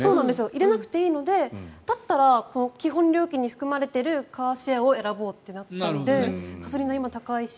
入れなくていいのでだったら、基本料金に含まれているカーシェアを選ぼうとなったのでガソリンも今、高いし。